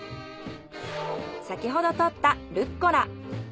先ほど採ったルッコラ。